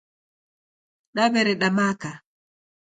Naw'ereda maka